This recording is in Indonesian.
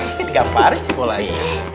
ini digamparin sih bolanya